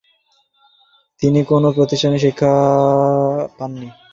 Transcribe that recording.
তিনি কোন প্রাতিষ্ঠানিক শিক্ষা পাননি।